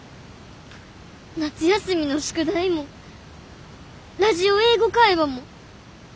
夏休みの宿題もラジオ「英語会話」も。